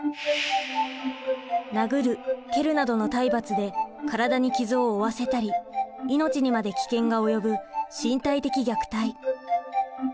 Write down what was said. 殴る蹴るなどの体罰で身体に傷を負わせたり命にまで危険が及ぶ身体的虐待。